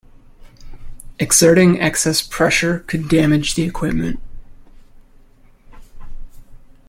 Exerting excess pressure could damage the equipment.